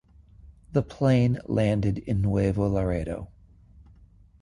The plane landed in Nuevo Laredo.